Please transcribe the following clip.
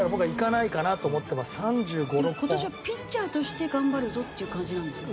今年はピッチャーとして頑張るぞっていう感じなんですか？